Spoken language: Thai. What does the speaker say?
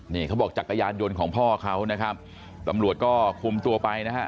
นี่เขาบอกจักรยานยนต์ของพ่อเขานะครับตำรวจก็คุมตัวไปนะฮะ